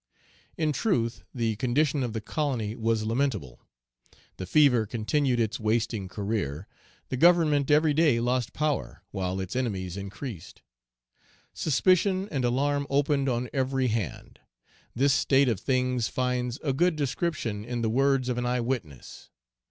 In truth the condition of the colony was lamentable. The fever continued its wasting career. The Government every day lost power, while its enemies increased. Suspicion and alarm opened on every hand. This state of things finds a good description in the words of an eye witness.